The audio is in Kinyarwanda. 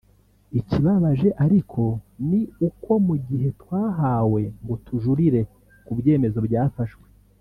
Ikibabaje ariko ni uko mu gihe twahawe ngo tujurire ku byemezo byafashwe